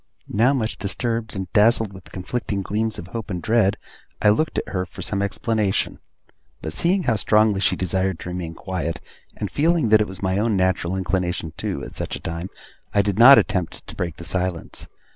Now much disturbed, and dazzled with conflicting gleams of hope and dread, I looked at her for some explanation. But seeing how strongly she desired to remain quiet, and feeling that it was my own natural inclination too, at such a time, I did not attempt to break the silence.